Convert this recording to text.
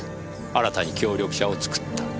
新たに協力者を作った。